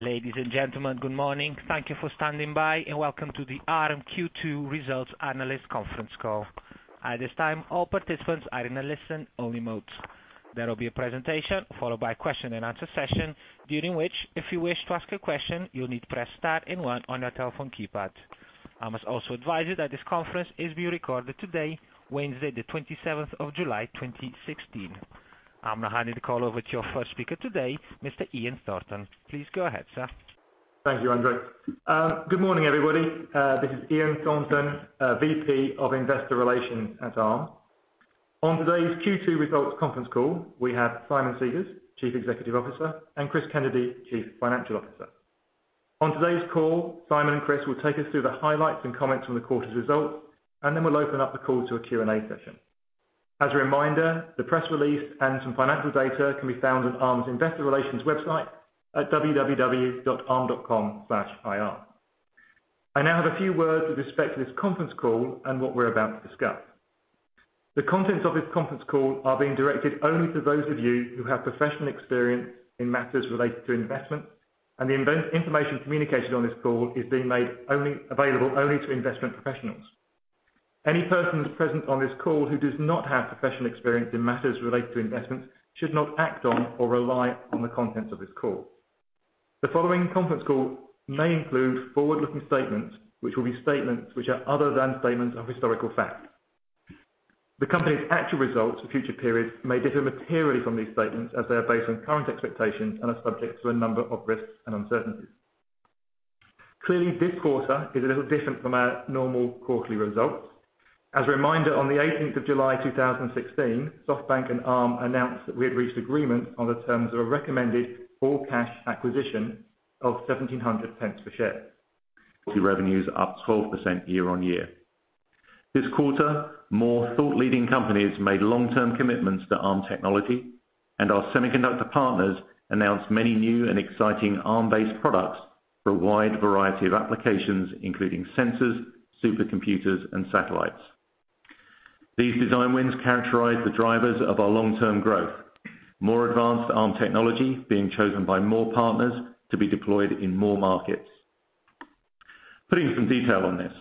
Ladies and gentlemen, good morning. Thank you for standing by, and welcome to the Arm Q2 Results Analyst Conference Call. At this time, all participants are in a listen-only mode. There will be a presentation followed by question and answer session, during which, if you wish to ask a question, you'll need to press star and one on your telephone keypad. I must also advise you that this conference is being recorded today, Wednesday the 27th of July, 2016. I'm now handing the call over to your first speaker today, Mr. Ian Thornton. Please go ahead, sir. Thank you, Andre. Good morning, everybody. This is Ian Thornton, VP of Investor Relations at Arm. On today's Q2 results conference call, we have Simon Segars, Chief Executive Officer, and Chris Kennedy, Chief Financial Officer. On today's call, Simon and Chris will take us through the highlights and comments on the quarter's results. Then we'll open up the call to a Q&A session. As a reminder, the press release and some financial data can be found on Arm's investor relations website at www.arm.com/ir. I now have a few words with respect to this conference call and what we're about to discuss. The contents of this conference call are being directed only to those of you who have professional experience in matters related to investment. The information communicated on this call is being made available only to investment professionals. Any persons present on this call who does not have professional experience in matters related to investments should not act on or rely on the contents of this call. The following conference call may include forward-looking statements, which will be statements which are other than statements of historical fact. The company's actual results for future periods may differ materially from these statements as they are based on current expectations and are subject to a number of risks and uncertainties. Clearly, this quarter is a little different from our normal quarterly results. As a reminder, on the 18th of July, 2016, SoftBank and Arm announced that we had reached agreement on the terms of a recommended all-cash acquisition of 17.00 per share. Revenues up 12% year-on-year. This quarter, more thought-leading companies made long-term commitments to Arm technology. Our semiconductor partners announced many new and exciting Arm-based products for a wide variety of applications, including sensors, supercomputers, and satellites. These design wins characterize the drivers of our long-term growth. More advanced Arm technology being chosen by more partners to be deployed in more markets. Putting some detail on this.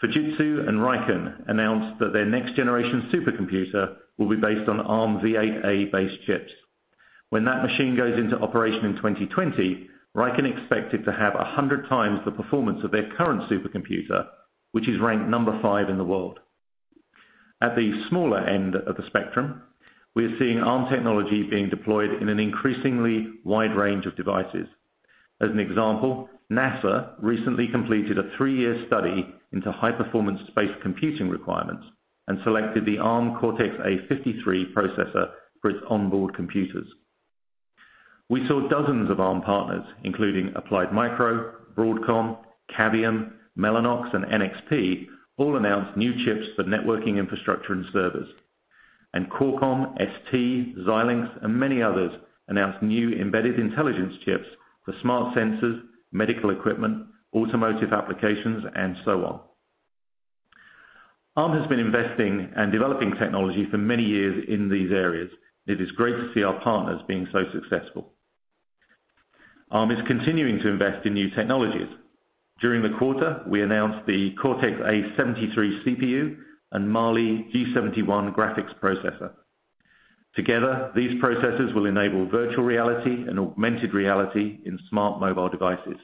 Fujitsu and RIKEN announced that their next-generation supercomputer will be based on Armv8-A-based chips. When that machine goes into operation in 2020, RIKEN expect it to have 100 times the performance of their current supercomputer, which is ranked number five in the world. At the smaller end of the spectrum, we are seeing Arm technology being deployed in an increasingly wide range of devices. As an example, NASA recently completed a three-year study into high-performance space computing requirements and selected the Cortex-A53 processor for its onboard computers. We saw dozens of Arm partners, including AppliedMicro, Broadcom, Cavium, Mellanox, and NXP all announce new chips for networking infrastructure and servers. Qualcomm, ST, Xilinx, and many others announced new embedded intelligence chips for smart sensors, medical equipment, automotive applications, and so on. Arm has been investing and developing technology for many years in these areas. It is great to see our partners being so successful. Arm is continuing to invest in new technologies. During the quarter, we announced the Cortex-A73 CPU and Mali-G71 graphics processor. Together, these processors will enable virtual reality and augmented reality in smart mobile devices.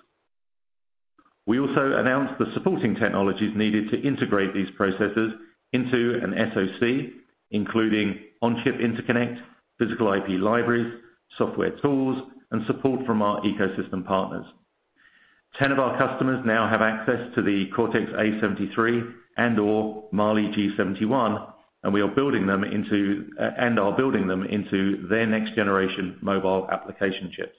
We also announced the supporting technologies needed to integrate these processors into an SoC, including on-chip interconnect, physical IP libraries, software tools, and support from our ecosystem partners. 10 of our customers now have access to the Cortex-A73 and/or Mali-G71, and are building them into their next-generation mobile application chips.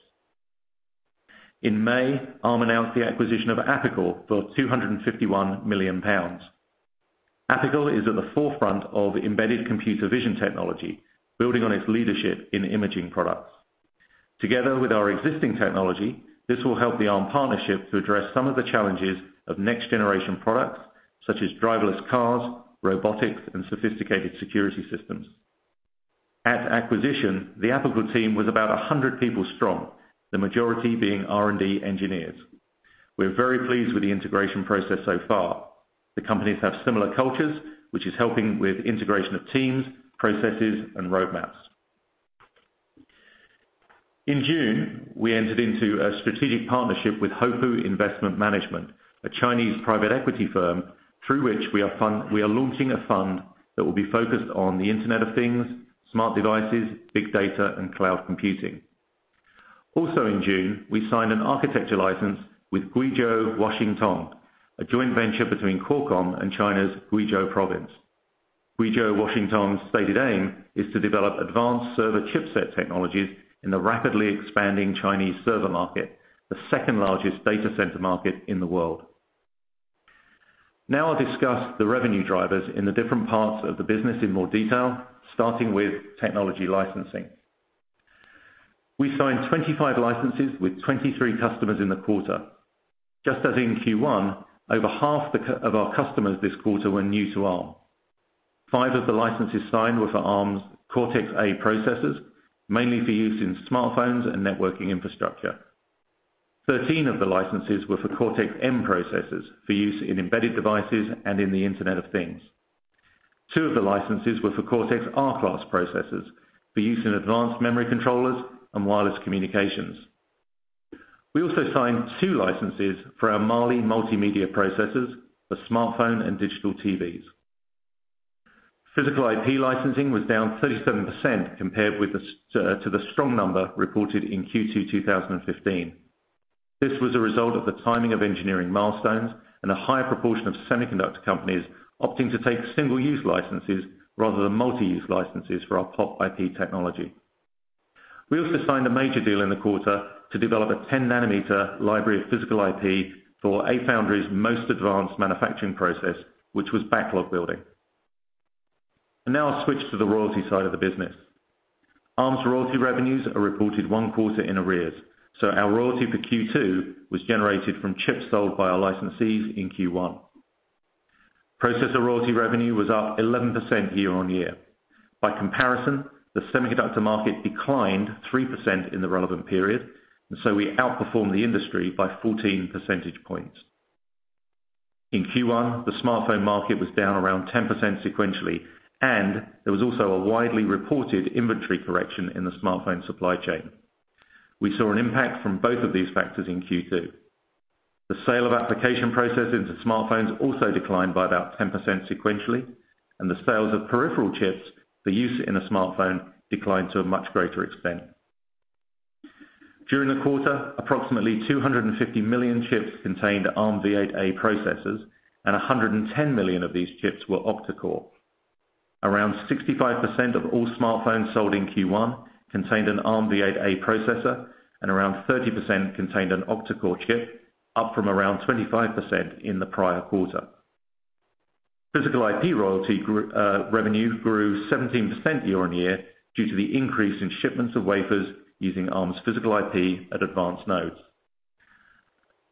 In May, Arm announced the acquisition of Apical for 251 million pounds. Apical is at the forefront of embedded computer vision technology, building on its leadership in imaging products. Together with our existing technology, this will help the Arm partnership to address some of the challenges of next generation products, such as driverless cars, robotics, and sophisticated security systems. At acquisition, the Apical team was about 100 people strong, the majority being R&D engineers. We are very pleased with the integration process so far. The companies have similar cultures, which is helping with integration of teams, processes, and roadmaps. In June, we entered into a strategic partnership with HOPU Investment Management, a Chinese private equity firm, through which we are launching a fund that will be focused on the Internet of Things, smart devices, big data, and cloud computing. Also in June, we signed an architecture license with Guizhou Huaxintong, a joint venture between Qualcomm and China's Guizhou Province. Guizhou Huaxintong stated aim is to develop advanced server chipset technologies in the rapidly expanding Chinese server market, the second-largest data center market in the world. Now I'll discuss the revenue drivers in the different parts of the business in more detail, starting with technology licensing. We signed 25 licenses with 23 customers in the quarter. Just as in Q1, over half of our customers this quarter were new to Arm. Five of the licenses signed were for Arm's Cortex-A processors, mainly for use in smartphones and networking infrastructure. 13 of the licenses were for Cortex-M processors for use in embedded devices and in the Internet of Things. Two of the licenses were for Cortex-R class processors for use in advanced memory controllers and wireless communications. We also signed two licenses for our Mali multimedia processors for smartphone and digital TVs. Physical IP licensing was down 37% compared to the strong number reported in Q2 2015. This was a result of the timing of engineering milestones and a higher proportion of semiconductor companies opting to take single-use licenses rather than multi-use licenses for our POP IP technology. We also signed a major deal in the quarter to develop a 10 nanometer library of physical IP for a foundry's most advanced manufacturing process, which was backlog building. Now I'll switch to the royalty side of the business. Arm's royalty revenues are reported one quarter in arrears, so our royalty for Q2 was generated from chips sold by our licensees in Q1. Processor royalty revenue was up 11% year-on-year. By comparison, the semiconductor market declined 3% in the relevant period, we outperformed the industry by 14 percentage points. In Q1, the smartphone market was down around 10% sequentially, there was also a widely reported inventory correction in the smartphone supply chain. We saw an impact from both of these factors in Q2. The sale of application processors in smartphones also declined by about 10% sequentially, and the sales of peripheral chips for use in a smartphone declined to a much greater extent. During the quarter, approximately 250 million chips contained Armv8-A processors, and 110 million of these chips were octa-core. Around 65% of all smartphones sold in Q1 contained an Armv8-A processor, around 30% contained an octa-core chip, up from around 25% in the prior quarter. Physical IP royalty revenue grew 17% year-on-year due to the increase in shipments of wafers using Arm's Physical IP at advanced nodes.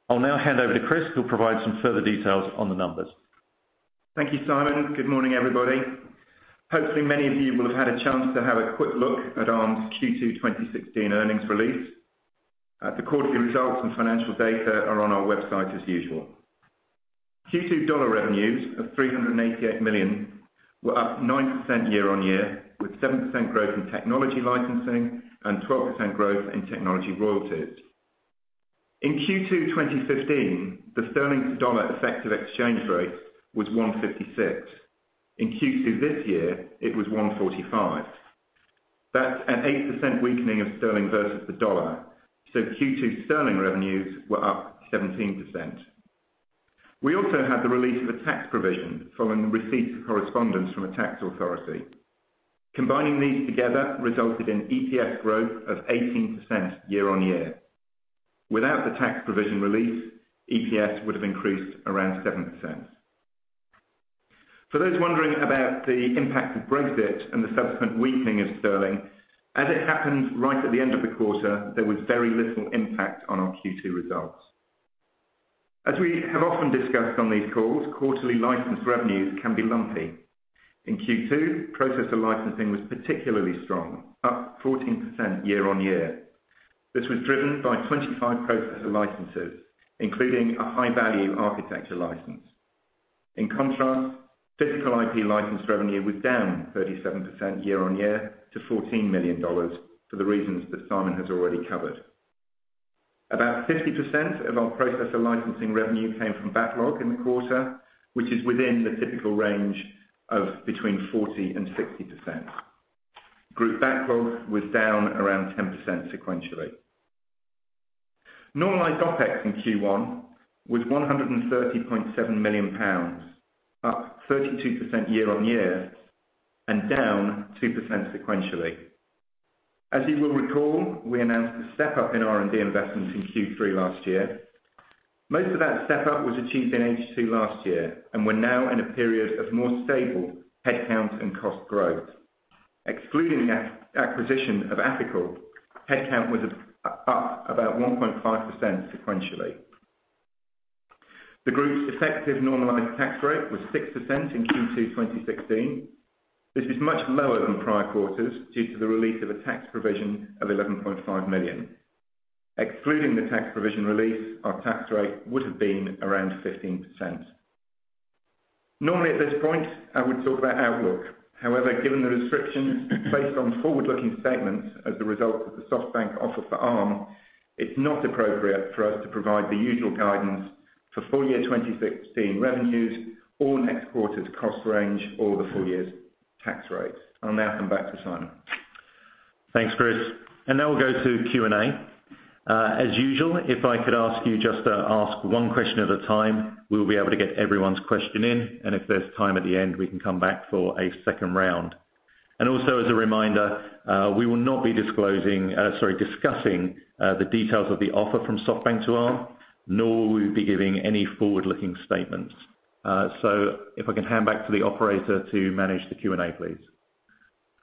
I'll now hand over to Chris, who'll provide some further details on the numbers. Thank you, Simon. Good morning, everybody. Hopefully many of you will have had a chance to have a quick look at Arm's Q2 2016 earnings release. The quarterly results and financial data are on our website as usual. Q2 dollar revenues of $388 million were up 9% year-on-year, with 7% growth in technology licensing and 12% growth in technology royalties. In Q2 2015, the sterling to dollar effective exchange rate was 156. In Q2 this year, it was 145. That's an 8% weakening of sterling versus the dollar. Q2 sterling revenues were up 17%. We also had the release of a tax provision following the receipt of correspondence from a tax authority. Combining these together resulted in EPS growth of 18% year-on-year. Without the tax provision release, EPS would have increased around 7%. For those wondering about the impact of Brexit and the subsequent weakening of sterling, as it happened right at the end of the quarter, there was very little impact on our Q2 results. As we have often discussed on these calls, quarterly license revenues can be lumpy. In Q2, processor licensing was particularly strong, up 14% year-on-year. This was driven by 25 processor licenses, including a high-value architecture license. In contrast, Physical IP license revenue was down 37% year-on-year to $14 million for the reasons that Simon has already covered. About 50% of our processor licensing revenue came from backlog in the quarter, which is within the typical range of between 40%-60%. Group backlog was down around 10% sequentially. Normalized OPEX in Q1 was GBP 130.7 million, up 32% year-on-year and down 2% sequentially. As you will recall, we announced a step-up in R&D investments in Q3 last year. Most of that step-up was achieved in H2 last year, and we're now in a period of more stable headcount and cost growth. Excluding the acquisition of Apical, headcount was up about 1.5% sequentially. The group's effective normalized tax rate was 6% in Q2 2016. This was much lower than prior quarters due to the release of a tax provision of 11.5 million. Excluding the tax provision release, our tax rate would have been around 15%. Normally at this point, I would talk about outlook. However, given the restrictions based on forward-looking statements as a result of the SoftBank offer for Arm, it's not appropriate for us to provide the usual guidance for full-year 2016 revenues or next quarter's cost range or the full year's tax rates. I'll now come back to Simon. Thanks, Chris. Now we'll go to Q&A. As usual, if I could ask you just to ask one question at a time, we will be able to get everyone's question in, and if there's time at the end, we can come back for a second round. Also as a reminder, we will not be discussing the details of the offer from SoftBank to Arm, nor will we be giving any forward-looking statements. If I can hand back to the operator to manage the Q&A, please.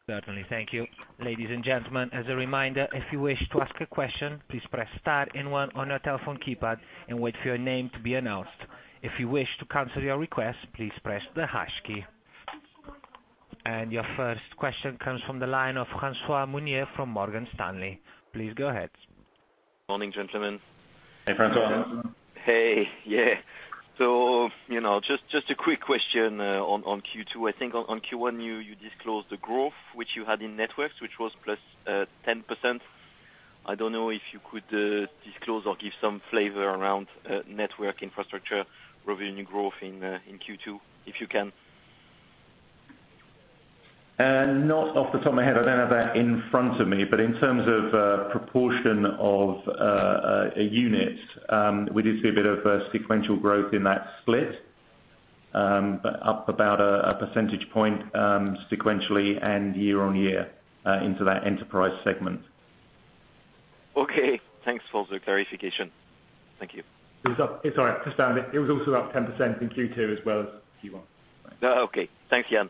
Certainly. Thank you. Ladies and gentlemen, as a reminder, if you wish to ask a question, please press star and one on your telephone keypad and wait for your name to be announced. If you wish to cancel your request, please press the hash key. Your first question comes from the line of Francois Meunier from Morgan Stanley. Please go ahead. Morning, gentlemen. Hey, Francois. Hey. Yeah. Just a quick question on Q2. I think on Q1 you disclosed the growth which you had in networks, which was +10%. I don't know if you could disclose or give some flavor around network infrastructure revenue growth in Q2, if you can. Not off the top of my head. I don't have that in front of me. In terms of proportion of units, we did see a bit of sequential growth in that split, up about a percentage point sequentially and year-on-year into that enterprise segment. Okay. Thanks for the clarification. Thank you. It's all right. Just bear with me. It was also up 10% in Q2 as well as Q1. Okay. Thanks again. Thank you.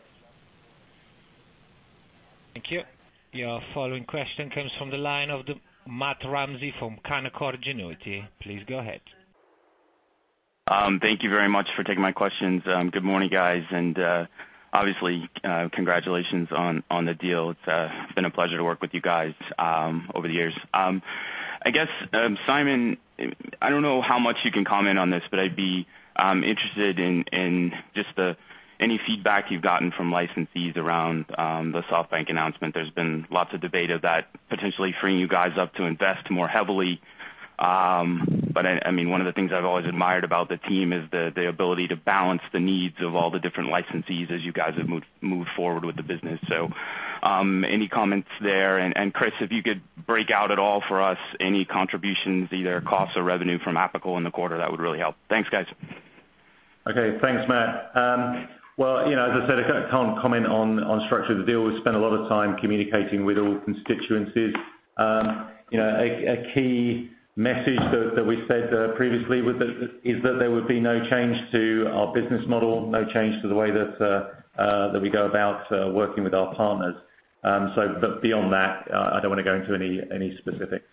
Your following question comes from the line of Matt Ramsay from Canaccord Genuity. Please go ahead. Thank you very much for taking my questions. Good morning, guys. Obviously, congratulations on the deal. It's been a pleasure to work with you guys over the years. I guess, Simon, I don't know how much you can comment on this, but I'd be interested in just any feedback you've gotten from licensees around the SoftBank announcement. There's been lots of debate of that potentially freeing you guys up to invest more heavily. One of the things I've always admired about the team is the ability to balance the needs of all the different licensees as you guys have moved forward with the business. Any comments there? Chris, if you could break out at all for us any contributions, either costs or revenue from Apical in the quarter, that would really help. Thanks, guys. Okay. Thanks, Matt. As I said, I can't comment on structure of the deal. We spent a lot of time communicating with all constituencies. A key message that we said previously is that there would be no change to our business model, no change to the way that we go about working with our partners. Beyond that, I don't want to go into any specifics.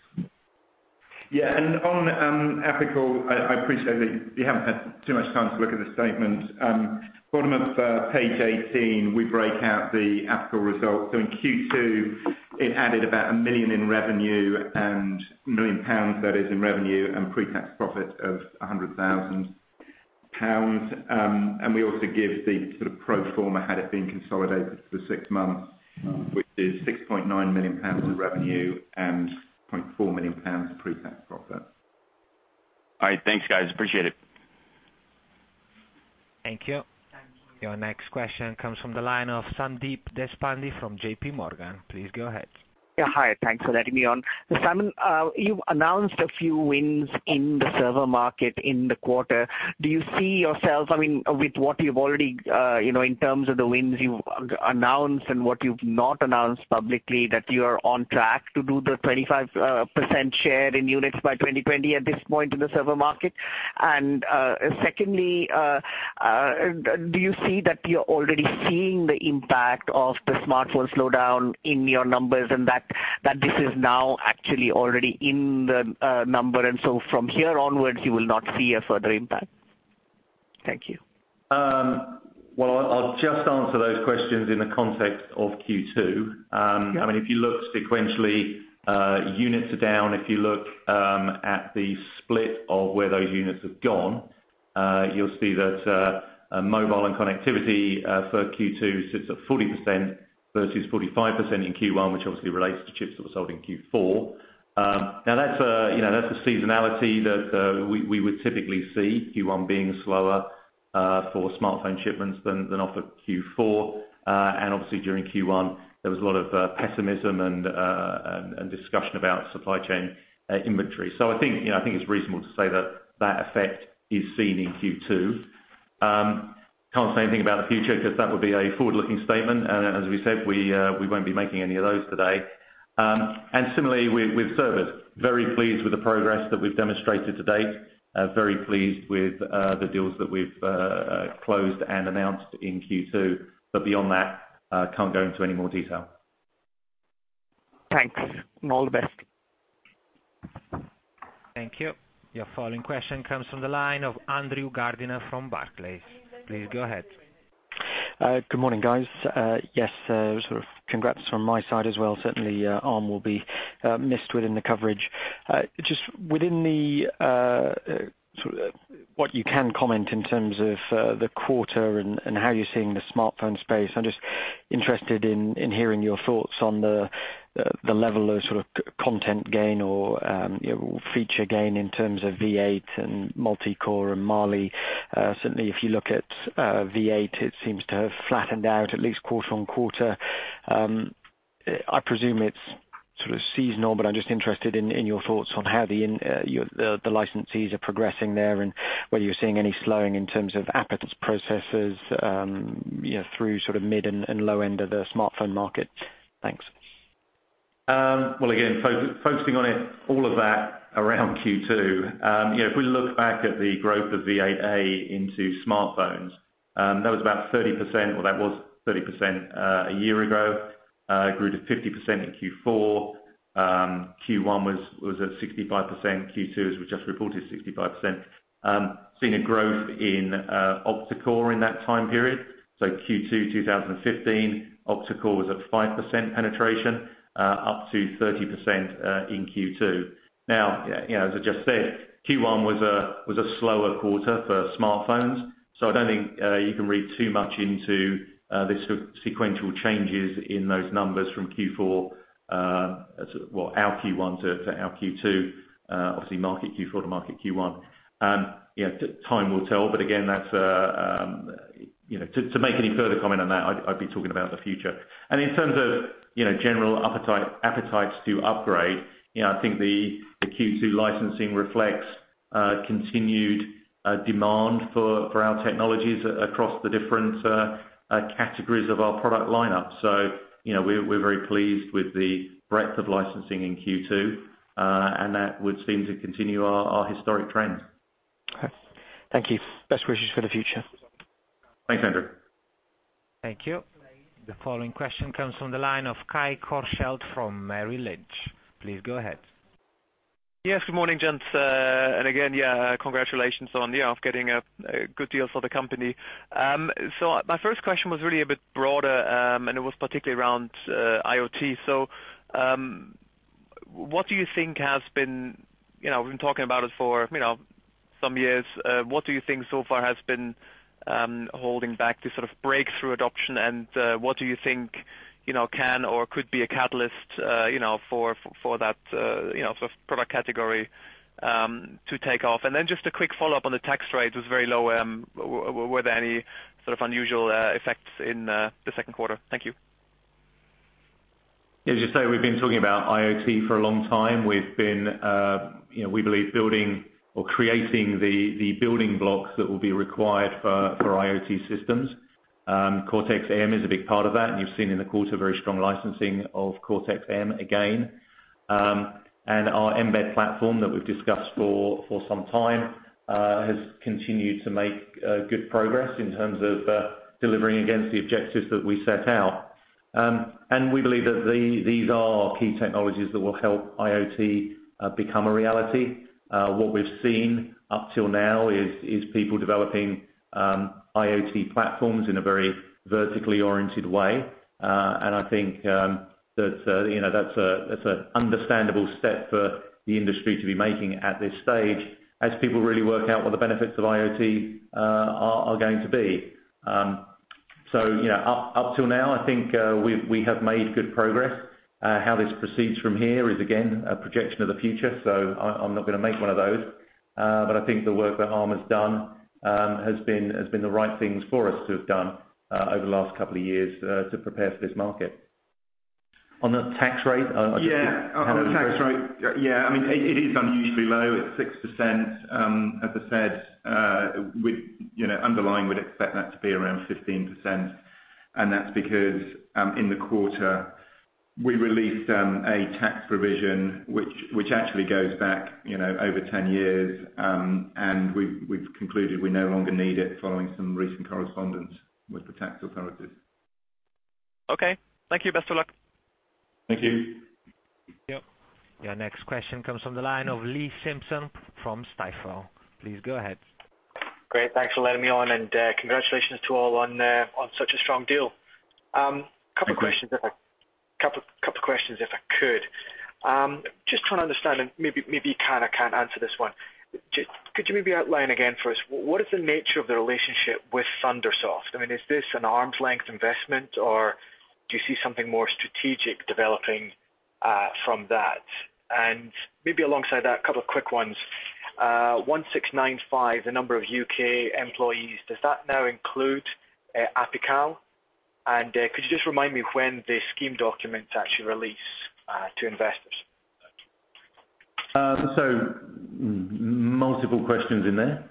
On Apical, I appreciate that you haven't had too much time to look at the statement. Bottom of page 18, we break out the Apical results. In Q2, it added about 1 million in revenue, and 1 million pounds that is in revenue and pre-tax profit of 100,000 pounds. We also give the sort of pro forma had it been consolidated for six months, which is 6.9 million pounds in revenue and 0.4 million pounds pre-tax profit. All right. Thanks, guys, appreciate it. Thank you. Your next question comes from the line of Sandeep Deshpande from JP Morgan. Please go ahead. Yeah. Hi. Thanks for letting me on. Simon, you've announced a few wins in the server market in the quarter. Do you see yourself, with what you've already, in terms of the wins you've announced and what you've not announced publicly, that you are on track to do the 25% share in units by 2020 at this point in the server market? Secondly, do you see that you're already seeing the impact of the smartphone slowdown in your numbers, that this is now actually already in the number. From here onwards, you will not see a further impact? Thank you. Well, I'll just answer those questions in the context of Q2. Yeah. If you look sequentially, units are down. If you look at the split of where those units have gone, you'll see that mobile and connectivity for Q2 sits at 40%, versus 45% in Q1, which obviously relates to chips that were sold in Q4. That's a seasonality that we would typically see, Q1 being slower for smartphone shipments than off of Q4. Obviously during Q1, there was a lot of pessimism and discussion about supply chain inventory. I think it's reasonable to say that that effect is seen in Q2. Can't say anything about the future because that would be a forward-looking statement, as we said, we won't be making any of those today. Similarly with servers. Very pleased with the progress that we've demonstrated to date. Very pleased with the deals that we've closed and announced in Q2. Beyond that, can't go into any more detail. Thanks, all the best. Thank you. Your following question comes from the line of Andrew Gardiner from Barclays. Please go ahead. Good morning, guys. Yes, sort of congrats from my side as well. Certainly Arm will be missed within the coverage. Just within the what you can comment in terms of the quarter and how you're seeing the smartphone space, I'm just interested in hearing your thoughts on the level of content gain or feature gain in terms of v8 and multi-core and Mali. Certainly if you look at v8, it seems to have flattened out at least quarter-on-quarter. I presume it's sort of seasonal, but I'm just interested in your thoughts on how the licensees are progressing there and whether you're seeing any slowing in terms of Apple's processors through mid and low end of the smartphone market. Thanks. Well, again, focusing on all of that around Q2. If we look back at the growth of V8A into smartphones, that was about 30%, or that was 30% a year ago. It grew to 50% in Q4. Q1 was at 65%. Q2, as we just reported, 65%. Seeing a growth in octa-core in that time period. Q2 2015, octa-core was at 5% penetration, up to 30% in Q2. Now, as I just said, Q1 was a slower quarter for smartphones. I don't think you can read too much into the sequential changes in those numbers from Q4. Well, our Q1 to our Q2, obviously market Q4 to market Q1. Time will tell, again to make any further comment on that, I'd be talking about the future. In terms of general appetites to upgrade, I think the Q2 licensing reflects continued demand for our technologies across the different categories of our product lineup. We're very pleased with the breadth of licensing in Q2, and that would seem to continue our historic trend. Okay. Thank you. Best wishes for the future. Thanks, Andrew. Thank you. The following question comes from the line of Kai Korschelt from Merrill Lynch. Please go ahead. Yes, good morning, gents. Again, congratulations on getting a good deal for the company. My first question was really a bit broader, and it was particularly around IoT. We've been talking about it for some years. What do you think so far has been holding back this sort of breakthrough adoption, and what do you think can or could be a catalyst for that sort of product category to take off? Then just a quick follow-up on the tax rate, it was very low. Were there any sort of unusual effects in the second quarter? Thank you. As you say, we've been talking about IoT for a long time. We believe building or creating the building blocks that will be required for IoT systems. Cortex-M is a big part of that, and you've seen in the quarter very strong licensing of Cortex-M again. Our Mbed platform that we've discussed for some time has continued to make good progress in terms of delivering against the objectives that we set out. We believe that these are key technologies that will help IoT become a reality. What we've seen up till now is people developing IoT platforms in a very vertically oriented way. I think that's an understandable step for the industry to be making at this stage as people really work out what the benefits of IoT are going to be. Up till now, I think we have made good progress. How this proceeds from here is again, a projection of the future. I'm not going to make one of those. I think the work that Arm has done has been the right things for us to have done over the last couple of years to prepare for this market. On the tax rate, it is unusually low. It's 6%. As I said, underlying we'd expect that to be around 15%. That's because in the quarter we released a tax provision which actually goes back over 10 years. We've concluded we no longer need it following some recent correspondence with the tax authorities. Okay. Thank you. Best of luck. Thank you. Yep. Your next question comes from the line of Lee Simpson from Stifel. Please go ahead. Great. Thanks for letting me on, and congratulations to all on such a strong deal. Thank you. Couple of questions if I could. Just trying to understand, maybe you can or can't answer this one. Could you maybe outline again for us what is the nature of the relationship with ThunderSoft? I mean, is this an arm's length investment, or do you see something more strategic developing from that? Maybe alongside that, a couple of quick ones. 1,695, the number of U.K. employees, does that now include Apical? Could you just remind me when the scheme documents actually release to investors? Multiple questions in there.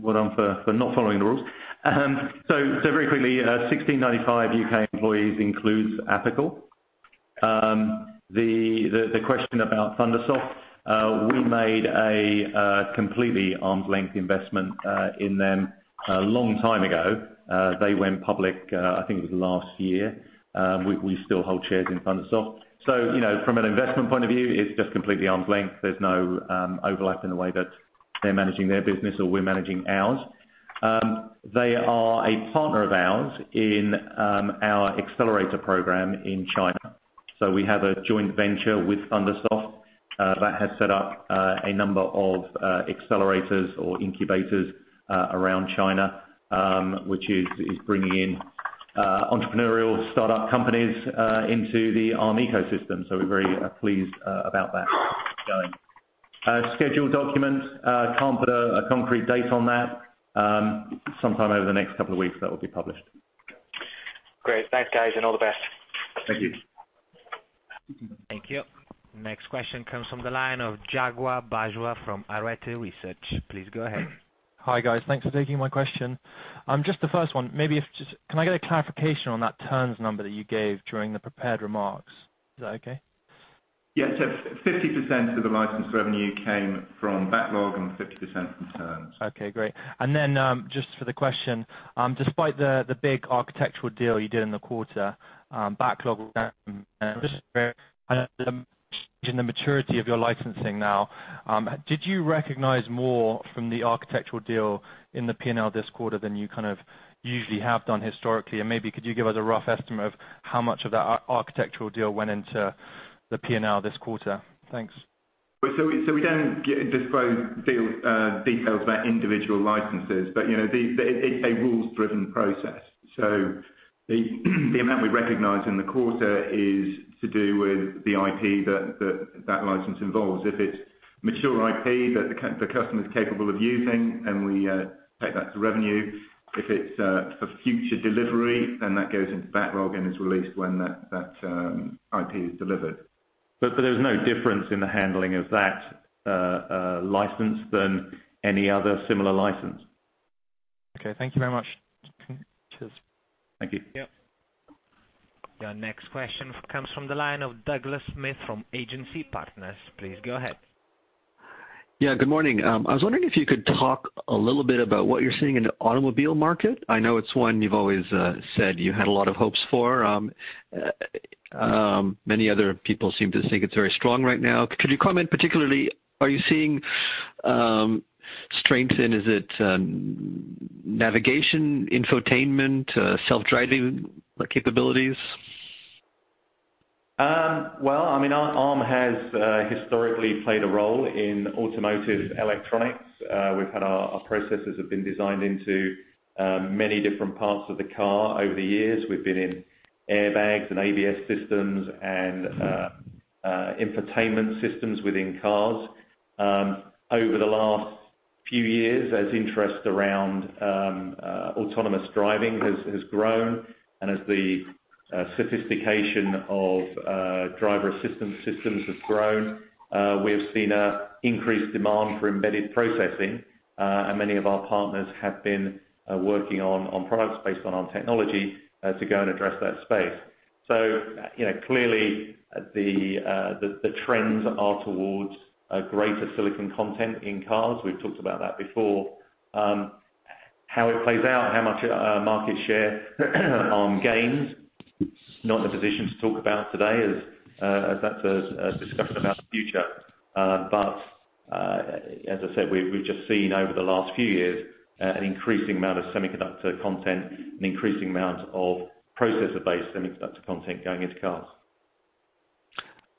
Well done for not following the rules. Very quickly, 1,695 U.K. employees includes Apical. The question about ThunderSoft, we made a completely arm's length investment in them a long time ago. They went public, I think it was last year. We still hold shares in ThunderSoft. From an investment point of view, it's just completely arm's length. There's no overlap in the way that they're managing their business or we're managing ours. They are a partner of ours in our accelerator program in China. We have a joint venture with ThunderSoft that has set up a number of accelerators or incubators around China, which is bringing in entrepreneurial startup companies into the Arm ecosystem. We're very pleased about that going. Schedule document, can't put a concrete date on that. Sometime over the next couple of weeks, that will be published. Great. Thanks, guys, and all the best. Thank you. Thank you. Next question comes from the line of Jagheer Bajwa from Arete Research. Please go ahead. Hi, guys. Thanks for taking my question. The first one, can I get a clarification on that terms number that you gave during the prepared remarks? Is that okay? Yes. 50% of the license revenue came from backlog and 50% from terms. Okay, great. Then just for the question, despite the big architectural deal you did in the quarter, backlog down, and the maturity of your licensing now, did you recognize more from the architectural deal in the P&L this quarter than you kind of usually have done historically? Maybe could you give us a rough estimate of how much of that architectural deal went into the P&L this quarter? Thanks. We don't disclose details about individual licenses, but it's a rules-driven process. The amount we recognize in the quarter is to do with the IP that that license involves. If it's mature IP that the customer's capable of using, then we take that to revenue. If it's for future delivery, then that goes into backlog and is released when that IP is delivered. There is no difference in the handling of that license than any other similar license. Okay. Thank you very much. Cheers. Thank you. Yep. Your next question comes from the line of Douglas Smith from Agency Partners. Please go ahead. Yeah, good morning. I was wondering if you could talk a little bit about what you're seeing in the automobile market. I know it's one you've always said you had a lot of hopes for. Many other people seem to think it's very strong right now. Could you comment particularly, are you seeing strength, and is it navigation, infotainment, self-driving capabilities? Well, Arm has historically played a role in automotive electronics. Our processors have been designed into many different parts of the car over the years. We've been in airbags and ABS systems and infotainment systems within cars. Over the last few years, as interest around autonomous driving has grown and as the sophistication of driver assistance systems has grown, we have seen increased demand for embedded processing. Many of our partners have been working on products based on our technology to go and address that space. Clearly, the trends are towards a greater silicon content in cars. We've talked about that before. How it plays out, how much market share Arm gains, not in a position to talk about today, as that's a discussion about the future. As I said, we've just seen over the last few years, an increasing amount of semiconductor content, an increasing amount of processor-based semiconductor content going into cars.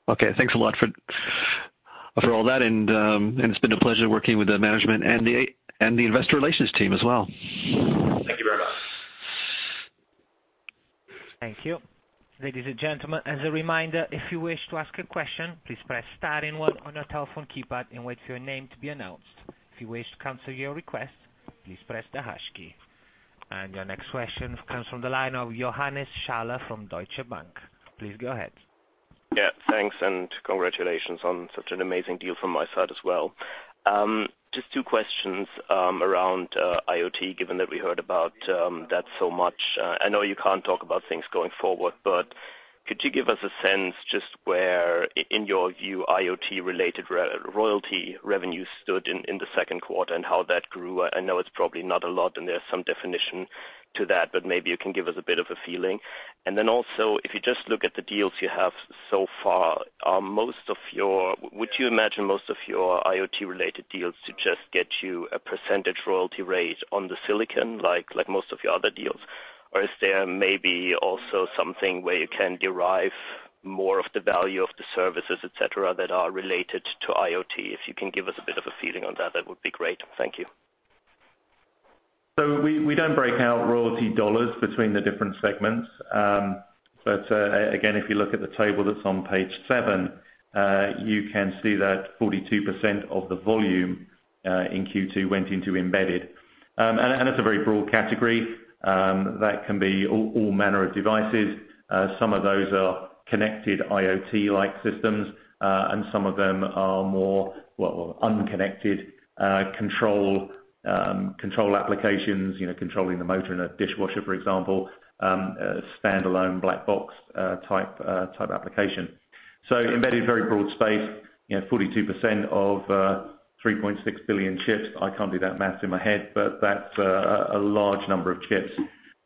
Okay. Thanks a lot for all that, and it's been a pleasure working with the management and the investor relations team as well. Thank you very much. Thank you. Ladies and gentlemen, as a reminder, if you wish to ask a question, please press star and one on your telephone keypad and wait for your name to be announced. If you wish to cancel your request, please press the hash key. Your next question comes from the line of Johannes Schaller from Deutsche Bank. Please go ahead. Thanks, congratulations on such an amazing deal from my side as well. Just two questions around IoT, given that we heard about that so much. I know you can't talk about things going forward, but could you give us a sense just where, in your view, IoT related royalty revenue stood in the second quarter and how that grew? I know it's probably not a lot, and there's some definition to that, but maybe you can give us a bit of a feeling. Then also, if you just look at the deals you have so far, would you imagine most of your IoT related deals to just get you a percentage royalty rate on the silicon, like most of your other deals? Or is there maybe also something where you can derive more of the value of the services, et cetera, that are related to IoT? If you can give us a bit of a feeling on that would be great. Thank you. We don't break out royalty dollars between the different segments. Again, if you look at the table that's on page seven, you can see that 42% of the volume in Q2 went into embedded. That's a very broad category. That can be all manner of devices. Some of those are connected IoT-like systems, and some of them are more, well, unconnected control applications, controlling the motor in a dishwasher, for example, a standalone black box type application. Embedded, very broad space, 42% of 3.6 billion chips. I can't do that math in my head, but that's a large number of chips.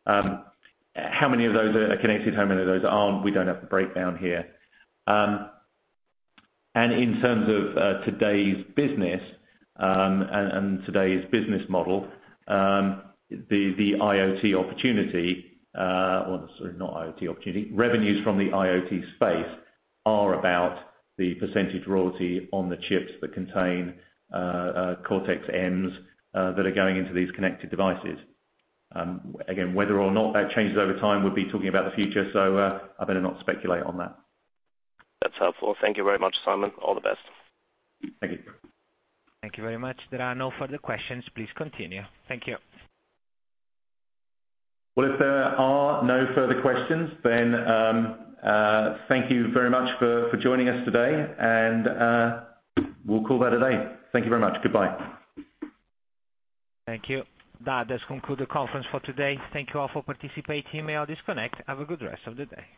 How many of those are connected, how many of those aren't? We don't have the breakdown here. In terms of today's business and today's business model, the IoT opportunity, or, sorry, not IoT opportunity, revenues from the IoT space are about the percentage royalty on the chips that contain Cortex-Ms that are going into these connected devices. Again, whether or not that changes over time, we'll be talking about the future, so I better not speculate on that. That's helpful. Thank you very much, Simon. All the best. Thank you. Thank you very much. There are no further questions. Please continue. Thank you. Well, if there are no further questions, then thank you very much for joining us today. We'll call that a day. Thank you very much. Goodbye. Thank you. That does conclude the conference for today. Thank you all for participating. You may all disconnect. Have a good rest of the day.